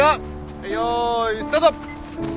はい用意スタート！